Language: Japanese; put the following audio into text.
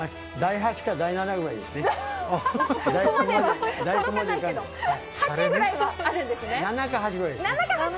第８か第７ぐらいですね。